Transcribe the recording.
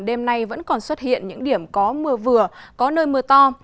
đêm nay vẫn còn xuất hiện những điểm có mưa vừa có nơi mưa to